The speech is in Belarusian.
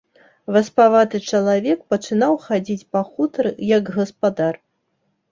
Васпаваты чалавек пачынаў хадзіць па хутары, як гаспадар.